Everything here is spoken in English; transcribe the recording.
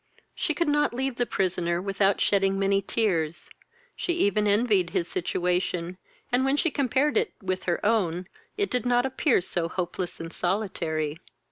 She could not leave the prisoner without shedding many tears. She even envied his situation, and when she compared it with her own, it did not appear so hopeless and solitary.